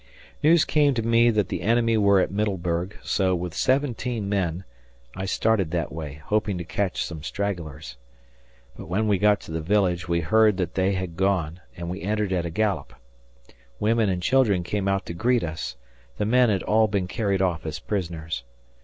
News came to me that the enemy were at Middleburg, so, with seventeen men, I started that way, hoping to catch some stragglers. But when we got to the village, we heard that they had gone, and we entered at a gallop. Women and children came out to greet us the men had all been carried off as prisoners.